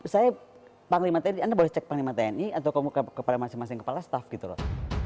saya panggilan tni anda boleh cek panggilan tni atau kepala masing masing kepala staff gitu loh